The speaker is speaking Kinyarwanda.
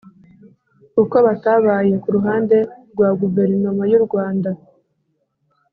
kuko batabaye ku ruhande rwa guverinoma y'u rwanda.